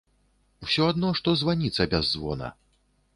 Усё адно, што званіца без звона!